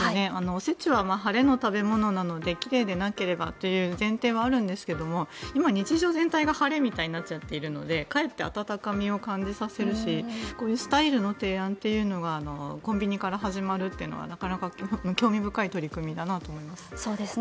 お節は晴れの食べ物なので奇麗でなければという前提はあるんですが今、日常全体が晴れみたいになっちゃっているのでかえって温かみを感じさせるしこういうスタイルの提案というのはコンビニから始まるというのは興味深い取り組みだなと思います。